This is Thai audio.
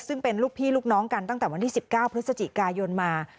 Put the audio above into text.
ซึ่งเป็นลูกพี่ลูกน้องกันตั้งแต่วันที่๑๙พฤศจิกายนมา